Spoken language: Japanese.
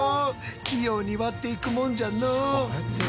器用に割っていくもんじゃのう。